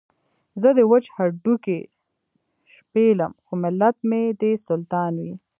زه دې وچ هډوکي شپېلم خو ملت مې دې سلطان وي.